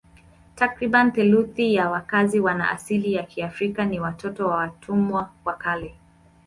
Takriban theluthi ya wakazi wana asili ya Kiafrika ni watoto wa watumwa wa kale.